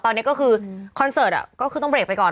ตอนนี้ก็คือคอนเสิร์ตก็คือต้องเรกไปก่อน